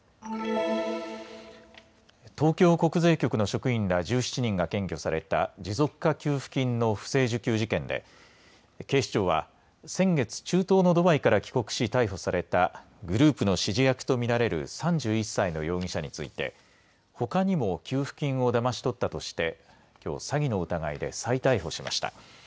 東京国税局の職員ら１７人が検挙された持続化給付金の不正受給事件で警視庁は先月、中東のドバイから帰国し逮捕されたグループの指示役と見られる３１歳の容疑者について、ほかにも給付金をだまし取ったとしてきょう詐欺の疑いで再逮捕しました。